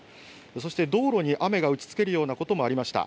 そして道路に雨が打ちつけるようなこともありました。